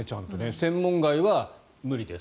専門外は無理です